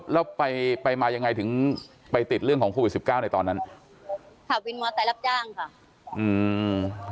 แล้วไปมายังไงถึงไปติดเรื่องของโควิด๑๙ในตอนนั้นค่ะวินวัตรรับจ้างค่ะ